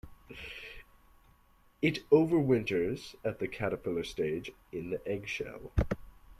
It overwinters at the caterpillar stage in the egg shell.